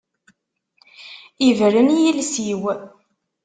Ibren yiles-iw.